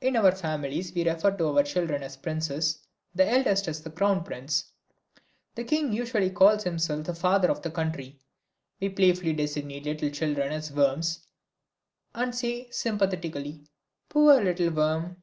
In our families we refer to our children as princes, the eldest as the crown prince. The king usually calls himself the father of the country. We playfully designate little children as worms, and say, sympathetically, "poor little worm."